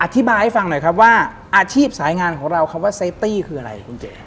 อธิบายให้ฟังหน่อยครับว่าอาชีพสายงานของเราคำว่าเซฟตี้คืออะไรคุณเก๋